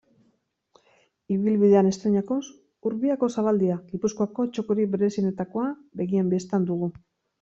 Ibilbidean estreinakoz, Urbiako zabaldia, Gipuzkoako txokorik berezienetakoa, begien bistan dugu.